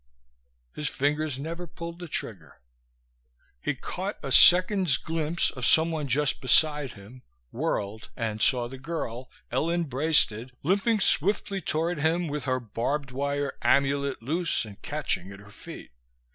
_ His fingers never pulled the trigger. He caught a second's glimpse of someone just beside him, whirled and saw the girl, Ellen Braisted, limping swiftly toward him with her barbed wire amulet loose and catching at her feet.